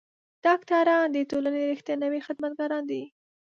ډاکټران د ټولنې رښتوني خدمتګاران دي.